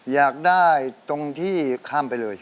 อยากได้ตรงที่ข้ามไปเลย